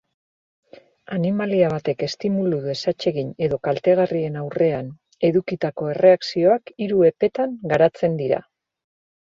Animalia batek estimulu desatsegin edo kaltegarrien aurrean edukitako erreakzioak hiru epetan garatzen dira.